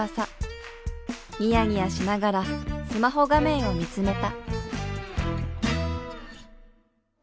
ニヤニヤしながらスマホ画面を見つめた。